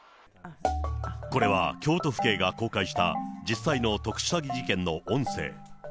これは、京都府警が公開した、実際の特殊詐欺事件の音声。